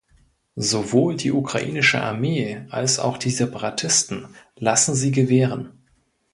Sowohl die ukrainische Armee als auch die Separatisten lassen sie gewähren.